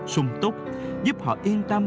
sung túc giúp họ yên tâm